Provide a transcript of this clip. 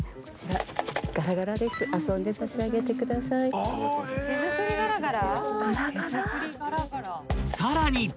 ［さらに！］